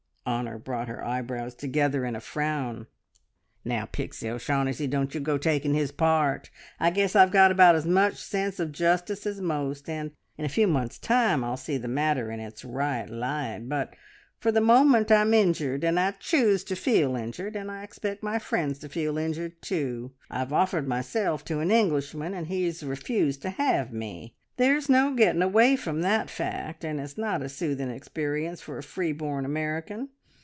Honor brought her eyebrows together in a frown. "Now, Pixie O'Shaughnessy, don't you go taking his part! I guess I've got about as much sense of justice as most, and in a few months' time I'll see the matter in its right light, but for the moment I'm injured, and I choose to feel injured; and I expect my friends to feel injured too. I've offered myself to an Englishman, and he's refused to have me. There's no getting; away from that fact, and it's not a soothing experience for a free born American.